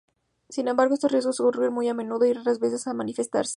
Sin embargo estos riesgos ocurren muy a menudo y raras veces llegan a manifestarse.